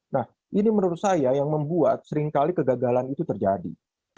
nah ini menurut saya yang membuat seringkali kegagalan itu terjadi